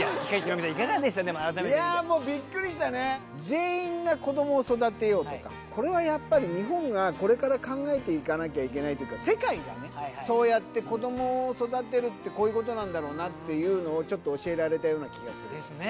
改めて見ていやもうビックリしたねとかこれはやっぱり日本がこれから考えていかなきゃいけないというかそうやって子どもを育てるってこういうことなんだろうなっていうのをちょっと教えられたような気がするですね